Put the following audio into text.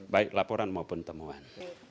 baik laporan maupun temuan